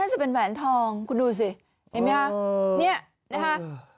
จะเป็นแหวนทองคุณดูสิเห็นไหมคะเนี่ยนะคะ